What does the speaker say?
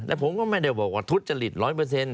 และผมก็ไม่ได้บอกว่าทุจริตร้อยเปอร์เซ็นต